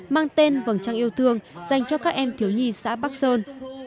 mang tên vầng trăng yêu thương dành cho các em thiếu nhi xã bắc sơn